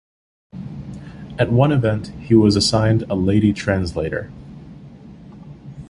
At one event, he was assigned a lady translator.